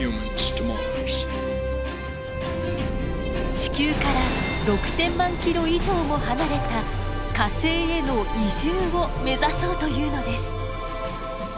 地球から６，０００万キロ以上も離れた火星への移住を目指そうというのです。